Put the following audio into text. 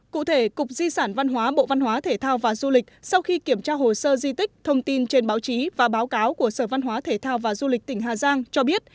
cụ thể cục di sản văn hóa bộ văn hóa thể thao và du lịch sau khi kiểm tra hồ sơ di tích thông tin trên báo chí và báo cáo của sở văn hóa thể thao và du lịch tỉnh hà giang cho biết